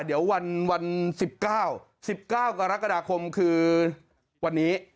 เดี๋ยววัน๑๙๑๙กรกฎาคมคือวันนี้